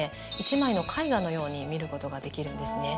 のように見ることができるんですね。